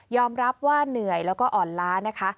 รับว่าเหนื่อยแล้วก็อ่อนล้านะคะ